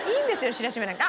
知らしめなくて。